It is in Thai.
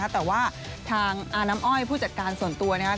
แต่ว่าทางอาน้ำอ้อยผู้จัดการส่วนตัวนะครับ